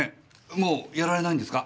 もうやられないんですか？